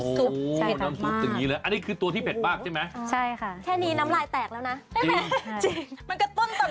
น้ำซุปจะอยู่อยู่แบบนี้เลยว่านี่คือตัวที่เผ็ดมากใช่ไหมใช่ค่ะแค่นี้แค่นี้น้ำลายแตกแล้วนะจริงมันกระตุ้นต่อน้ำลายเรียบร้อย